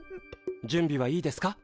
準備はいいですか？